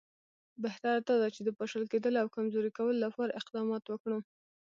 بهتره دا ده چې د پاشل کېدلو او کمزوري کولو لپاره اقدامات وکړو.